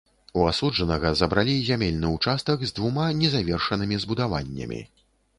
У асуджанага забралі зямельны ўчастак з двума незавершанымі збудаваннямі.